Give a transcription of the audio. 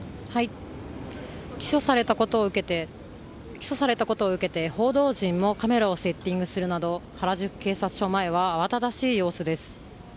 起訴されたことを受けて報道陣もカメラをセッティングするなど原宿警察署前は慌ただしい様子です。